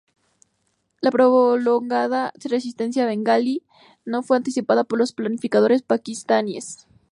La prolongada resistencia bengalí no fue anticipada por los planificadores paquistaníes.